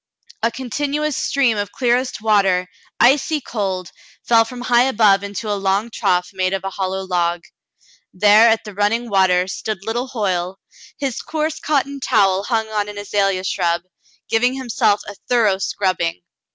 A continuous stream of clearest water, icy cold, fell from high above into a long trough made of a hollow log. There at the running water stood Aunt Sally meets Frale 29 little Hoyle, his coarse cotton towel hung on an azalia shrub, giving himself a thorough scrubbing.